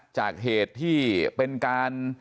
จากเหตุที่เป็นการ